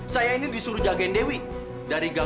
saya ini disuruh jagain dewi